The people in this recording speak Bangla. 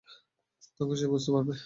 তখন সে বুঝতে পারবে।